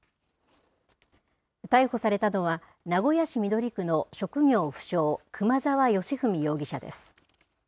逮捕されたのは、名古屋市緑区の職業不詳、熊澤良文容疑者です。